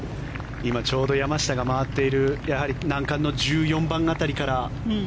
今、ちょうど山下が回っている難関の１４番辺りから。